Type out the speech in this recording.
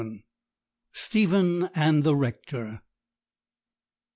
STEPHEN AND THE RECTOR.